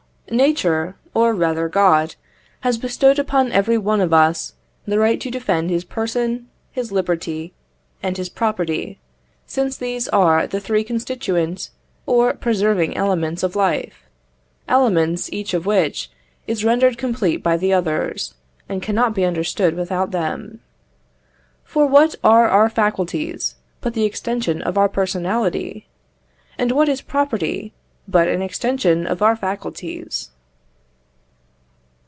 Nature, or rather God, has bestowed upon every one of us the right to defend his person, his liberty, and his property, since these are the three constituent or preserving elements of life; elements, each of which is rendered complete by the others, and cannot be understood without them. For what are our faculties, but the extension of our personality? and what is property, but an extension of our faculties?